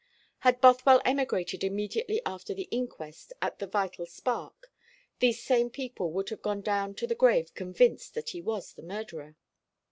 Had Bothwell emigrated immediately after the inquest at the Vital Spark, these same people would have gone down to the grave convinced that he was the murderer.